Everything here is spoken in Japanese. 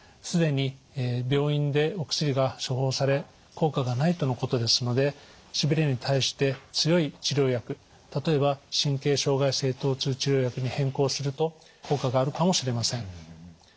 既に病院でお薬が処方され効果がないとのことですのでしびれに対して強い治療薬例えば神経障害性とう痛治療薬に変更すると効果があるかもしれません。